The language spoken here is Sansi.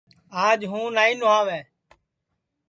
آج ہوں نائی نھواوے